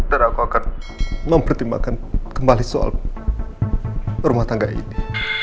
dan aku akan mempertimbangkan kembali soal rumah tangga ini